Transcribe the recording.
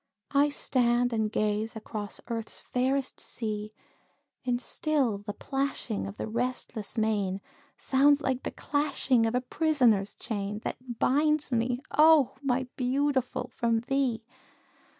I stand and gaze across Earth's fairest sea, And still the plashing of the restless main, Sounds like the clashing of a prisoner's chain, That binds me, oh! my Beautiful, from thee.